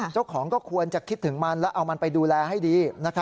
เจ้าของก็ควรจะคิดถึงมันแล้วเอามันไปดูแลให้ดี